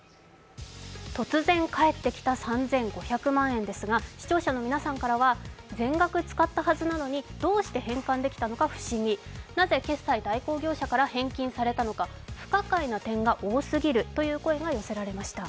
突然返ってきた３５００万円ですが視聴者の皆さんからは全額使ったはずなのにどうして返還できたか不思議、なぜ決済代行業者から返金されたのか、不可解な点が多すぎるという声が寄せられました。